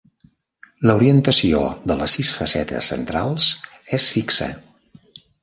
L'orientació de les sis facetes centrals és fixa.